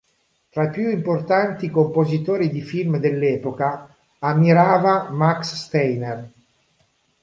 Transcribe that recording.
Tra i più importanti compositori di film dell'epoca ammirava Max Steiner.